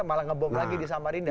malah ngebom lagi di samarinda